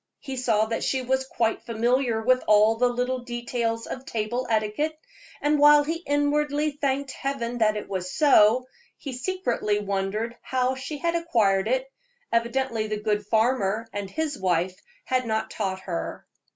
He saw that she was quite familiar with all the little details of table etiquette; and while he inwardly thanked Heaven that it was so, he secretly wondered how she had acquired it; evidently the good farmer and his wife had not taught her.